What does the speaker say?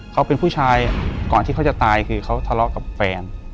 เขาเป็นผู้ชายก่อนที่เขาจะตายคือเขาทะเลาะกับแฟน